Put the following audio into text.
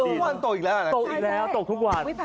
พี่ทำยังไงฮะ